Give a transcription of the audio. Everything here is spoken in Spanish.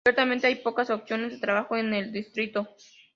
Ciertamente hay pocas opciones de trabajo en el Distrito.